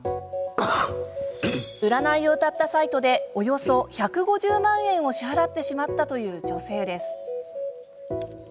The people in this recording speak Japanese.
占いをうたったサイトでおよそ１５０万円を支払ってしまったという女性です。